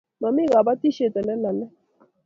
Momii kabotishe ole lolei.